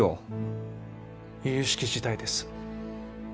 由々しき事態です。